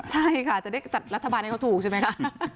ใช่ค่ะจะได้จัดรัฐบาลให้เขาถูกใช่ไหมคะ